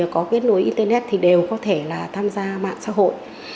có kết nối internet thì đều có thể là tham gia mạng xã hội